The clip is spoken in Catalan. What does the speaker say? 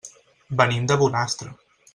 Venim de Bonastre.